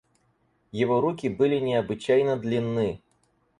Его руки были необычайно длинны.